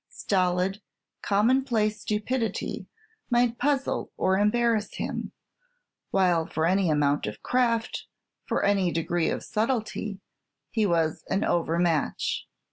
Stolid, commonplace stupidity might puzzle or embarrass him; while for any amount of craft, for any degree of subtlety, he was an over match.